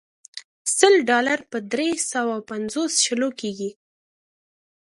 سل ډالر په درې سوه پنځوس شلو کېږي.